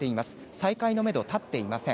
再開のメド、立っていません。